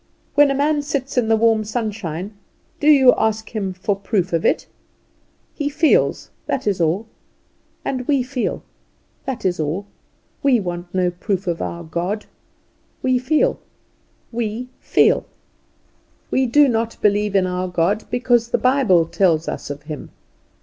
When a man sits in the warm sunshine, do you ask him for proof of it? He feels that is all. And we feel that is all. We want no proof of our God. We feel, we feel! We do not believe in our God because the Bible tells us of Him.